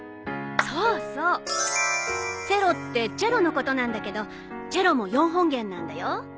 そうそうセロってチェロのことなんだけどチェロも４本弦なんだよ。